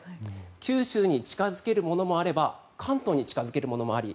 九州に近付けるものもあれば関東に近付けるものもあり